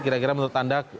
kira kira menurut anda